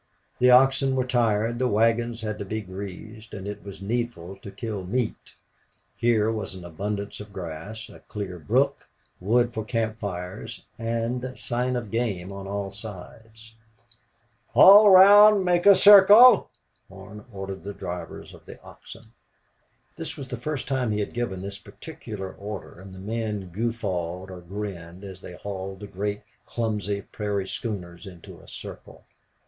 The oxen were tired, the wagons had to be greased, and it was needful to kill meat. Here was an abundance of grass, a clear brook, wood for camp fires, and sign of game on all sides. "Haul round make a circle!" Horn ordered the drivers of the oxen. This was the first time he had given this particular order, and the men guffawed or grinned as they hauled the great, clumsy prairie schooners into a circle.